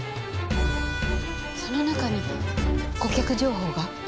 その中に顧客情報が？